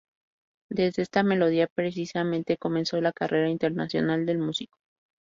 Desde esta melodía precisamente comenzó la carrera internacional del músico.